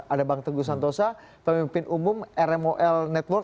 ada bang teguh santosa pemimpin umum rmol network